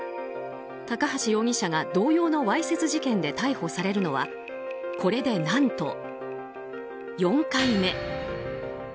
高橋容疑者が同様のわいせつ事件で逮捕されるのはこれで何と、４回目。